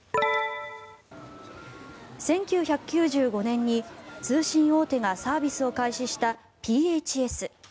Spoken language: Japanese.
１９９５年に通信大手がサービスを開始したＰＨＳ。